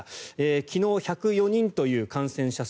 昨日、１０４人という感染者数。